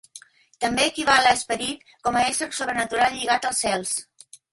També equival a 'esperit' com a ésser sobrenatural lligat als cels.